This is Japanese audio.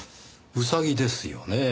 ウサギですよねぇ？